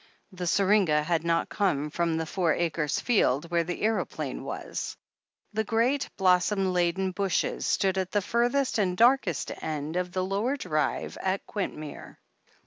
The syringa had not come from the Four Acres field, where the aeroplane was. The great, blossom laden bushes stood at the furthest and darkest end of the lower drive at Quintmere.